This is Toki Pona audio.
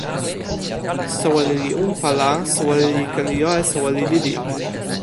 soweli li unpa la, soweli li ken jo e soweli lili.